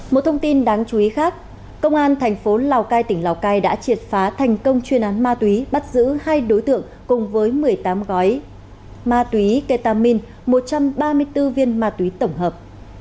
một thông tin đáng chú ý khác công an thành phố lào cai tỉnh lào cai đã triệt phá thành công chuyên án ma túy bắt giữ hai đối tượng cùng với một mươi tám gói ma túy ketamin một trăm ba mươi bốn viên ma túy tổng hợp